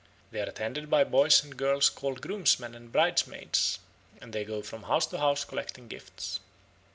They are attended by boys and girls called groomsmen and bridesmaids, and they go from house to house collecting gifts.